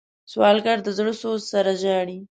سوالګر د زړه سوز سره ژاړي